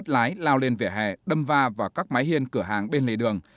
lái lao lên vỉa hè đâm va vào các máy hiên cửa hàng bên lề đường